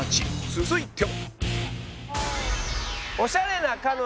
続いては